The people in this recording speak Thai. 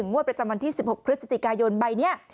งวดประจำวันที่๑๖พฤศจิกายนใบนี้